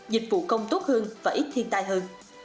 dịch vụ công tốt hơn và ít thiên tai hơn